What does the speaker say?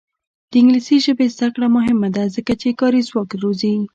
د انګلیسي ژبې زده کړه مهمه ده ځکه چې کاري ځواک روزي.